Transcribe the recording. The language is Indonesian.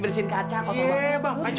bersihin kaca segala lagi